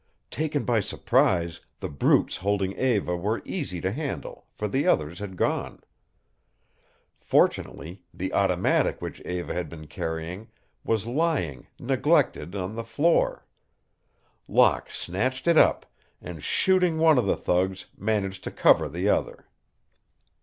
Taken by surprise, the brutes holding Eva were easy to handle, for the others had gone. Fortunately, the automatic which Eva had been carrying was lying, neglected, on the floor. Locke snatched it up and, shooting one of the thugs, managed to cower the other.